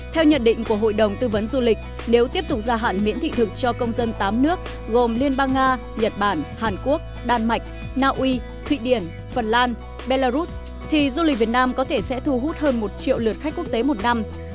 theo nhận định của hội đồng tư vấn du lịch nếu tiếp tục gia hạn miễn thị thực cho công dân tám nước gồm liên bang nga nhật bản hàn quốc đan mạch naui thụy điển phần lan belarus thì du lịch việt nam có thể sẽ thu hút hơn một triệu lượt khách quốc tế một năm